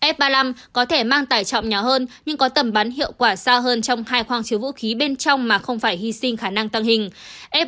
f ba mươi năm có thể mang tải trọng nhà hơn nhưng có tầm bắn hiệu quả xa hơn trong hai khoang chứa vũ khí bên trong mà không phải hy sinh khả năng tăng hình